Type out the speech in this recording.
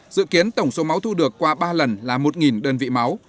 dự kiến tổng số máu thu được qua ba lần là một đơn vị máu